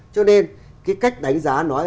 cho nên cái cách đánh giá nói là